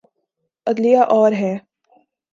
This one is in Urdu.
عدلیہ اور ہے۔